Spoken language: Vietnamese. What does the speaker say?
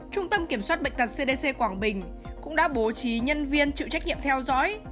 trung tâm kiểm soát bệnh tật cdc quảng bình cũng đã bố trí nhân viên chịu trách nhiệm theo dõi